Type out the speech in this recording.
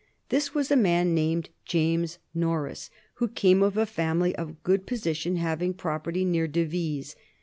This was a man named James Norris, who came of a family of good position having property near Devizes.